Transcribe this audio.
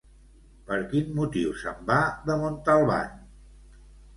Per quin motiu se'n va de Montalban?